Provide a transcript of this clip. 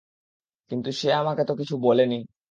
কিন্তু সে আমাকে তো কিছু বলেনি।